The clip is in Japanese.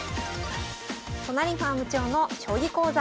都成ファーム長の将棋講座。